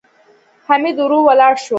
حميد ورو ولاړ شو.